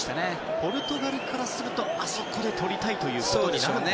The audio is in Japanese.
ポルトガルからするとあそこで取りたいということになるんでしょうかね。